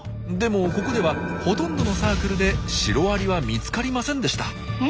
でもここではほとんどのサークルでシロアリは見つかりませんでした。